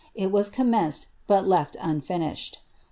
It was commenced, but lef^ unfinished.